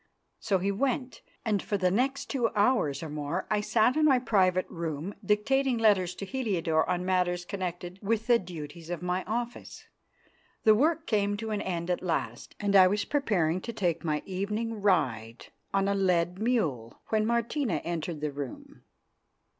So he went, and for the next two hours or more I sat in my private room dictating letters to Heliodore on matters connected with the duties of my office. The work came to an end at last, and I was preparing to take my evening ride on a led mule when Martina entered the room.